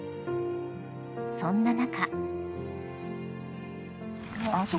［そんな中］